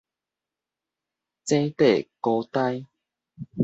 井底鮕鮘